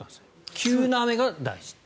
急な雨が大事と。